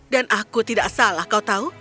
dan aku tidak salah kau tahu